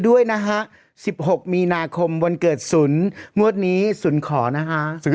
ด้วยนะฮะสิบหกมีนาคมวันเกิดสุนมวดนี้สุนขอนะฮะซื้อ